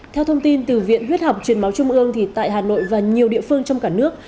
theo thông tin từ viện huyết học truyền máu trung ương tại hà nội và nhiều địa phương trong cả nước